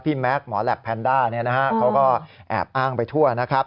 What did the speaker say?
แม็กซหมอแหลปแพนด้าเขาก็แอบอ้างไปทั่วนะครับ